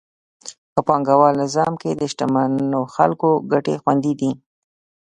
په پانګوال نظام کې د شتمنو خلکو ګټې خوندي دي.